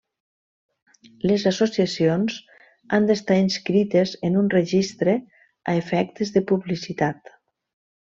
Les associacions han d'estar inscrites en un registre a efectes de publicitat.